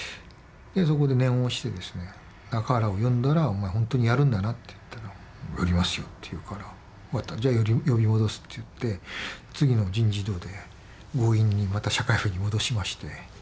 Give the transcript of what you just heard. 「中原を呼んだらお前ホントにやるんだな」って言ったら「やりますよ」って言うから「分かったじゃあ呼び戻す」って言って次の人事異動で強引にまた社会部に戻しまして。